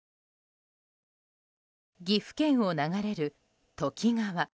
岐阜県を流れる土岐川。